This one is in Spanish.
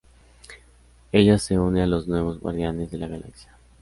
Ella se une a los nuevos Guardianes de la Galaxia.